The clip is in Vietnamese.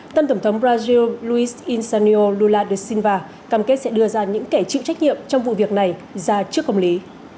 tân tổng thống brazil louis incanio lula da silva cam kết sẽ đưa ra những kẻ chịu trách nhiệm trong vụ việc này ra trước công lý